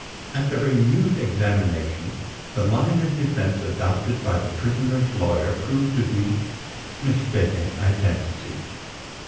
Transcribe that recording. At the renewed examination, the line of defense adopted by the prisoner's lawyer proved to be mistaken identity.